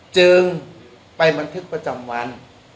จึงไปบันทึกประจำวัน